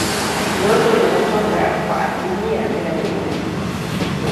joto linatoka kwa asilimia thelathini na tisa